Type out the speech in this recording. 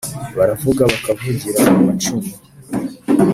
baravuga bakavugira amacumu